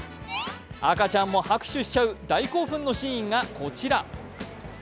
赤ちゃんも拍手しちゃう大興奮のシーンがこちら。